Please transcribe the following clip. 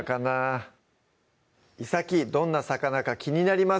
いさきどんな魚か気になります